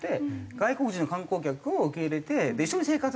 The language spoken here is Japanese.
外国人の観光客を受け入れて一緒に生活をして。